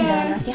udah tenang aja